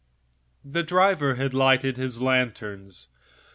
The driver lighted his lanterns.